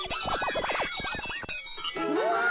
うわ！